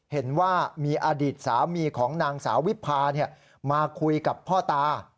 เห็นว่ามีอดีตสามีของนางสาววิพามาคุยกับพ่อตา